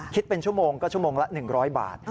คิดเป็นชั่วโมงก็ชั่วโมงละ๑๐๐บาท